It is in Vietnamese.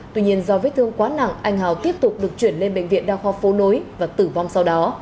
tuy nhiên do vết thương quá nặng anh hào tiếp tục được chuyển lên bệnh viện đa khoa phố nối và tử vong sau đó